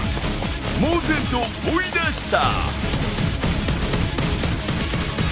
猛然と追い出した。